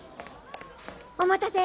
お待たせ。